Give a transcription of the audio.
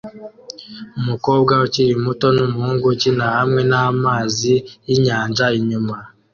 Umukobwa ukiri muto numuhungu ukina hamwe namazi yinyanja inyuma